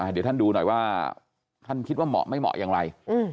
เดี๋ยวท่านดูหน่อยว่าท่านคิดว่าเหมาะไม่เหมาะอย่างไร